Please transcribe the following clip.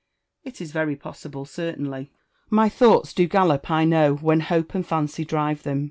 It is very possible, certainly. My thoughts do gallop, I know, when hope and fancy drive them.